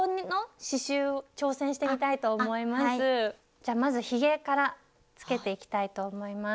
じゃまずひげからつけていきたいと思います。